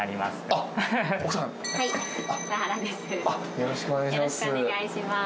よろしくお願いします。